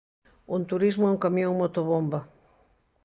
Un turismo e un camión motobomba.